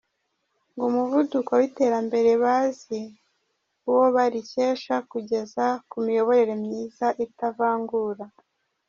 Ngo umuvuduko w’iterambere bazi uwo baricyesha kugeza ku miyoborere myiza itavangura.